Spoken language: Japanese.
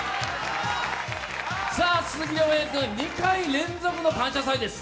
鈴木亮平君、２回連続の「感謝祭」です。